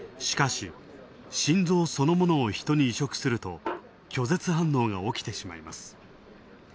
しかし、心臓そのものをヒトに移植すると拒絶反応が起きてしまいます。